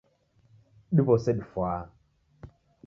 Diw'ose difwaa